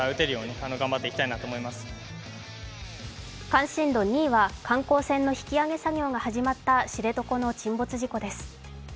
関心度２位は観光船の引き揚げ作業が始まった知床の沈没事故です。